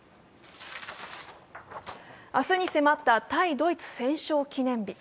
明日に迫った対ドイツ戦勝記念日。